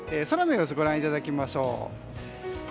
空の様子、ご覧いただきましょう。